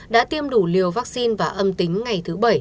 đã tiêm đủ liều vaccine và âm tính ngày thứ bảy